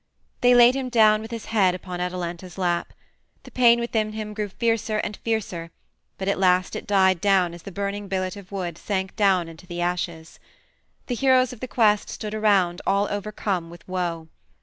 They laid him down with his head upon Atalanta's lap. The pain within him grew fiercer and fiercer, but at last it died down as the burning billet of wood sank down into the ashes. The heroes of the quest stood around, all overcome with woe.